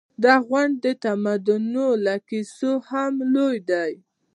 دا غونډ د تمدنونو له کیسو هم لوی دی.